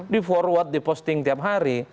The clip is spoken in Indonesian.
di forward di posting tiap hari